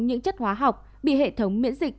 những chất hóa học bị hệ thống miễn dịch